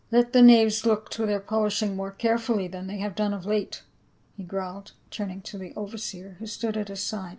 " Let the knaves look to the polishing more care fully than they have done of late," he growled, turn ing to the overseer who stood at his side.